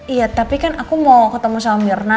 iya tapi kan aku mau ketemu sama mirna